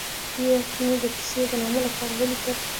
دې وخت کې مې د کیسې د نامه لپاره ولیکل.